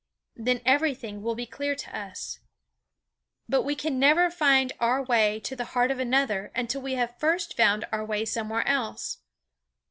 Then everything will be clear to us. But we can never find our way to the heart of another until we have first found our way somewhere else.